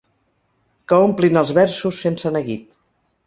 Que omplin els versos sense neguit.